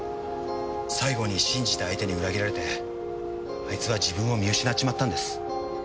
最後に信じた相手に裏切られてあいつは自分を見失っちまったんです。